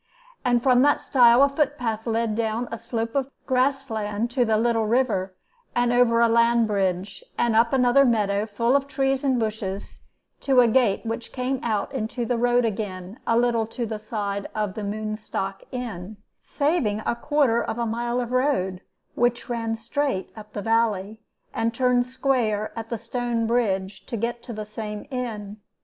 And from that stile a foot path led down a slope of grass land to the little river, and over a hand bridge, and up another meadow full of trees and bushes, to a gate which came out into the road again a little to this side of the Moonstock Inn, saving a quarter of a mile of road, which ran straight up the valley and turned square at the stone bridge to get to the same inn.